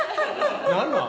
何なん？